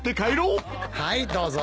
はいどうぞ。